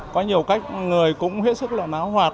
có nhiều cách người cũng hết sức là máo hoạt